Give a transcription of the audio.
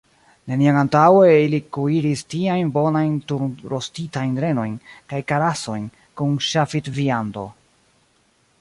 Neniam antaŭe ili kuiris tiajn bonajn turnrostitajn renojn kaj karasojn kun ŝafidviando.